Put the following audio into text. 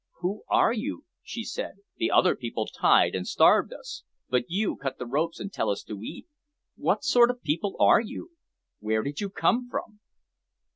"Who are you?" she said; "the other people tied and starved us, but you cut the ropes and tell us to eat; what sort of people are you? Where did you come from?"